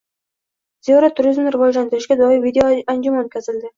Ziyorat turizmini rivojlantirishga doir videoanjuman o‘tkazildi